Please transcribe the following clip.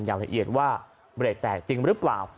อย่างละเอียดว่าเบรกแตกจริงหรือเปล่า